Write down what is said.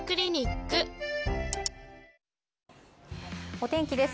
お天気です。